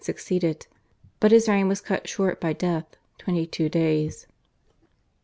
succeeded, but his reign was cut short by death (22 days).